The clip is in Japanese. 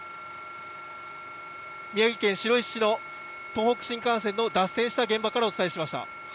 宮城県白石市の東北新幹線の脱線した現場からお伝えしました。